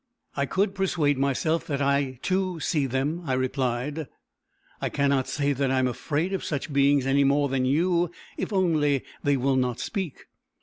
"I could persuade myself that I, too, see them," I replied. "I cannot say that I am afraid of such beings any more than you if only they will not speak."